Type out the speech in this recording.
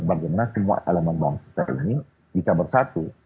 bagaimana semua elemen bangsa ini bisa bersatu